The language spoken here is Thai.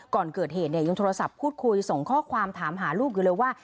ก่อนเกิดเหตุเนี่ยยังโทรศัพท์พูดคุยส่งข้อความถามหาลูกอยู่เลยว่า